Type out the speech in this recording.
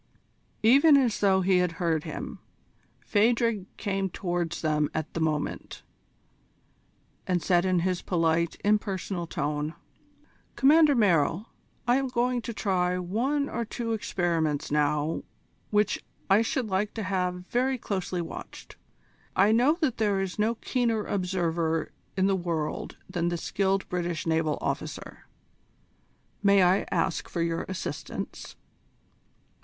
Even as though he had heard him, Phadrig came towards them at the moment, and said in his polite, impersonal tone: "Commander Merrill, I am going to try one or two experiments now which I should like to have very closely watched. I know that there is no keener observer in the world than the skilled British naval officer. May I ask for your assistance?"